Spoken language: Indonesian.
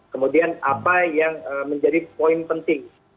kemudian apa yang menjadi poin penting